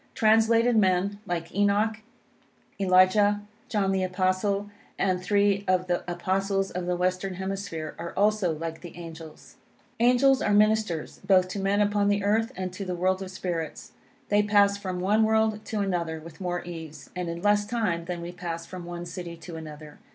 Translated men, like Enoch, Elijah, John the Apostle, and three of the Apostles of the Western Hemisphere, are also like the angels. Angels are ministers, both to men upon the earth, and to the world of spirits. They pass from one world to another with more ease, and in less time than we pass from one city to another.